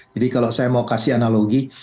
jadi kalau saya mau kasih analogi